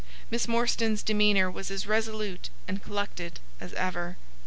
Miss Morstan's demeanor was as resolute and collected as ever.